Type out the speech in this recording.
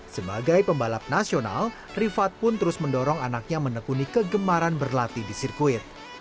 sebagai pembalap nasional rifat pun terus mendorong anaknya menekuni kegemaran berlatih di sirkuit